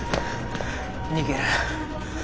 逃げる